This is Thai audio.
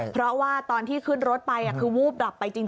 เพราะว่าตอนที่ขึ้นรถไปคือวูบดับไปจริง